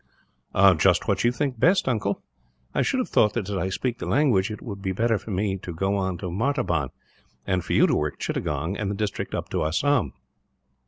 "Just what you think best, uncle. I should have thought that, as I speak the language, it would be better for me to go on to Martaban; and for you to work Chittagong, and the district up to Assam."